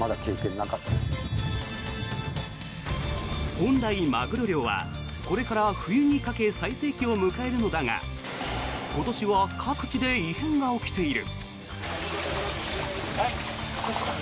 本来、マグロ漁はこれから冬にかけ最盛期を迎えるのだが今年は各地で異変が起きている。